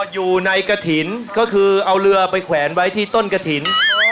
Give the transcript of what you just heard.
อยู่ในกระถิ่นก็คือเอาเรือไปแขวนไว้ที่ต้นกระถิ่น